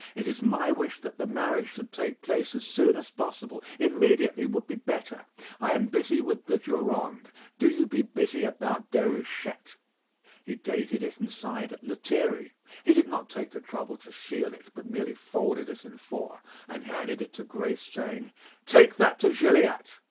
It is my wish that the marriage should take place as soon as possible; immediately would be better. I am busy about the Durande. Do you be busy about Déruchette." He dated it and signed "Lethierry." He did not take the trouble to seal it, but merely folded it in four, and handed it to Grace, saying: "Take that to Gilliatt."